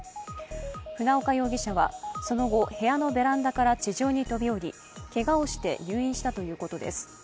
船岡容疑者はその後、部屋のベランダから地上に飛び降りけがをして入院したということです。